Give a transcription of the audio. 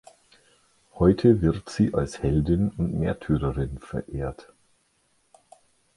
Heute wird sie als Heldin und Märtyrerin verehrt.